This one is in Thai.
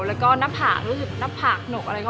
แล้วก็หน้าผากรู้สึกหน้าผากหนกอะไรก็